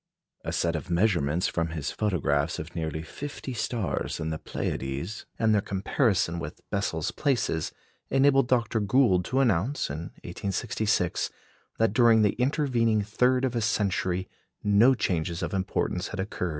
A set of measurements from his photographs of nearly fifty stars in the Pleiades, and their comparison with Bessel's places, enabled Dr. Gould to announce, in 1866, that during the intervening third of a century no changes of importance had occurred in their relative positions.